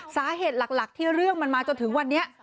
สาเหตุหลักที่เรื่องมันมาจนถึงวันนี้